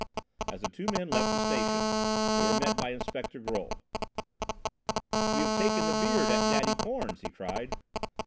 As the two men left the station, they were met by Inspector Grolle. "We have taken 'The Beard' at Daddy Korn's," he cried.